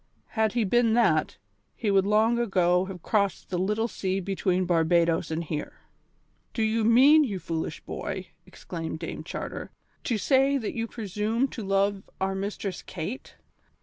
Had he been that, he would long ago have crossed the little sea between Barbadoes and here." "Do you mean, you foolish boy," exclaimed Dame Charter, "to say that you presume to love our Mistress Kate?"